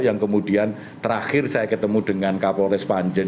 yang kemudian terakhir saya ketemu dengan kapolres panjen